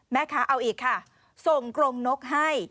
แม่ค้าเอาอีกค่ะส่งกลงนกให้